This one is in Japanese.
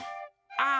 あ！